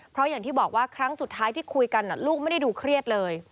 เพราะอย่างที่บอกว่าครั้งสุดท้ายที่คุยกันลูกไม่ได้ดูเครียดเลย